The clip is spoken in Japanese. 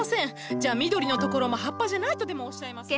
じゃあ緑のところも葉っぱじゃないとでもおっしゃいますの？